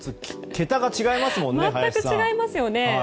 桁が違いますもんね。